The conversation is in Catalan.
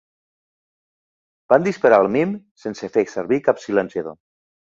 Van disparar al mim sense fer servir cap silenciador.